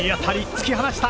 突き放した！